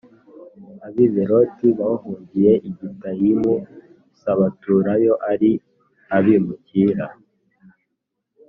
Ab i Beroti bahungiye i Gitayimu s baturayo ari abimukira